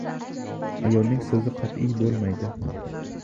• Ayolning so‘zi qat’iy bo‘lmaydi.